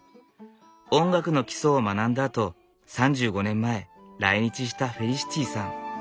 音楽の基礎を学んだあと３５年前来日したフェリシティさん。